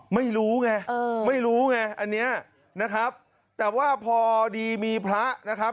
ไม่รู้ไงไม่รู้ไงอันเนี้ยนะครับแต่ว่าพอดีมีพระนะครับ